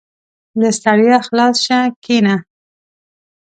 • له ستړیا خلاص شه، کښېنه.